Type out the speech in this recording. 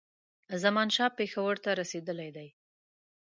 زمانشاه پېښور ته رسېدلی دی.